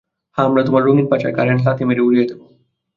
হ্যাঁ আমরা তোমার রঙিন পাছার কারেন্ট লাথি মেরে উড়িয়ে দেব।